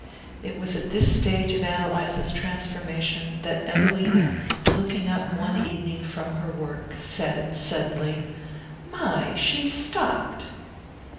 It was at this stage of Ann Eliza's transformation that Evelina, looking up one evening from her work, said suddenly: "My! She's stopped."